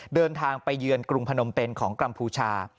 เดินทางไปเยือนกรุงพนมเป็นของกัมพูชา